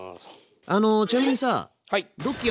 あのちなみにさ